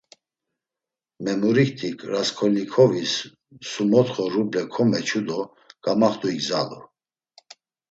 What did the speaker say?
Memurikti Rasǩolnikovis sumotxo ruble komeç̌u do gamaxt̆u igzalu.